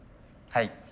はい。